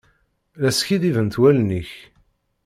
La skiddibent wallen-ik.